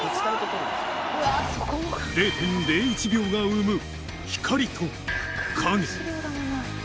０．０１秒が生む光と影。